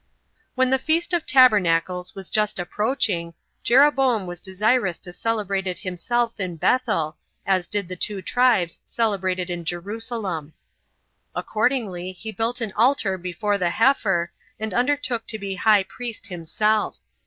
5. When the feast [of tabernacles] was just approaching, Jeroboam was desirous to celebrate it himself in Bethel, as did the two tribes celebrate it in Jerusalem. Accordingly he built an altar before the heifer, and undertook to be high priest himself.